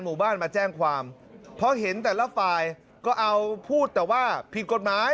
หมู่บ้านมาแจ้งความเพราะเห็นแต่ละฝ่ายก็เอาพูดแต่ว่าผิดกฎหมาย